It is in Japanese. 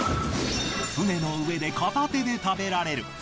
船の上で片手で食べられる！